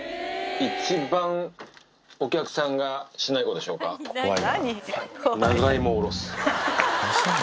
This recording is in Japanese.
一番お客さんがしないことし怖いな。